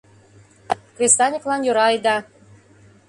Кресаньыклан йӧра айда.